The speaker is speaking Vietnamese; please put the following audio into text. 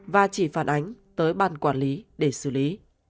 và chỉ phản ánh là do rác thai